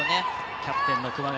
キャプテンの熊谷。